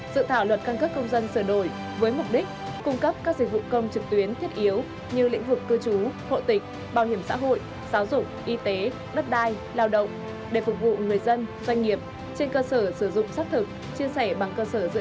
dự thảo luật căn cước công dân sửa đổi với mục đích cung cấp các dịch vụ công trực tuyến thiết yếu như lĩnh vực cư trú hộ tịch bảo hiểm xã hội giáo dục y tế đất đai lao động